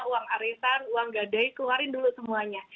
uang aresan uang gadei keluarin dulu semuanya